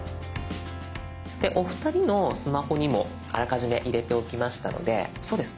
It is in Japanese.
でお二人のスマホにもあらかじめ入れておきましたのでそうです